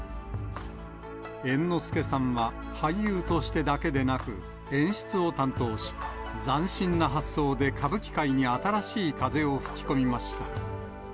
猿之助さんは俳優としてだけでなく、演出を担当し、斬新な発想で歌舞伎界に新しい風を吹き込みました。